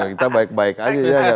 kita baik baik aja ya